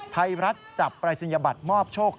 ไทยรัฐจับปรายศนียบัตรมอบโชค